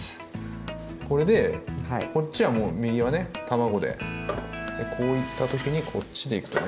これでこっちはもう右はね卵でこういった時にこっちでいくとね。